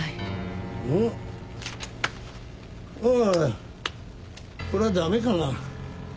あぁこれはダメかな。